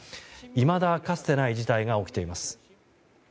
いまだかつてない事態が起きています。